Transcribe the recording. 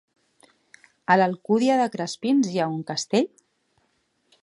A l'Alcúdia de Crespins hi ha un castell?